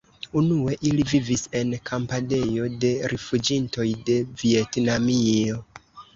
Unue ili vivis en kampadejo de rifuĝintoj de Vjetnamio.